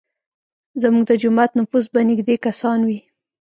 زموږ د جومات نفوس به نیږدی کسان وي.